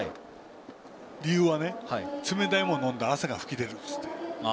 理由は、冷たいものを飲んだら汗が噴き出るっていって。